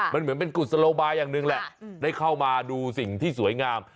มันเหมือนเป็นกุศโลบายอย่างหนึ่งแหละได้เข้ามาดูสิ่งที่สวยงาม